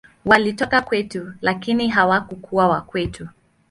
Walitoka kwetu, lakini hawakuwa wa kwetu.